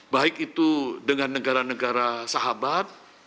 baik itu dengan negara negara sahabat